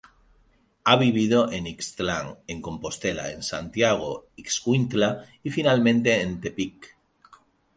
Ha vivido en Ixtlán, en Compostela, en Santiago Ixcuintla y finalmente en Tepic.